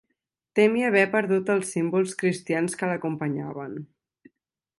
Temi haver perdut els símbols cristians que l'acompanyaven.